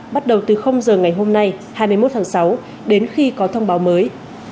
bắt đầu từ giờ ngày hôm nay hai mươi một tháng sáu đến khi có thông báo mới